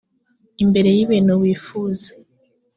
imbere y ibintu wifuza